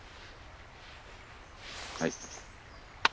はい。